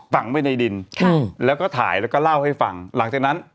ฝังไว้ในดินค่ะแล้วก็ถ่ายแล้วก็เล่าให้ฟังหลังจากนั้น